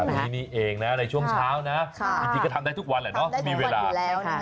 ในช่วงเช้าจริงก็ทำได้ทุกวันมีเวลา